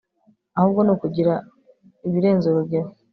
ahubwo ni ukugira ibirenze urugero